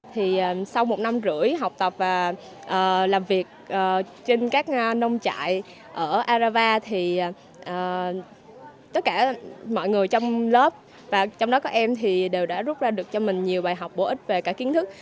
thì sau một năm rưỡi học tập và làm việc trên các nông trại ở arava thì tất cả mọi người trong lớp và trong đó các em thì đều đã rút ra được cho mình nhiều bài học bổ ích về cả kiến thức